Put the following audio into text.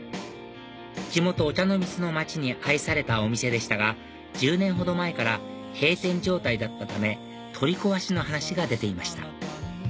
地元御茶ノ水の街に愛されたお店でしたが１０年ほど前から閉店状態だったため取り壊しの話が出ていました